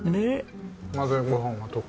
混ぜご飯は特に。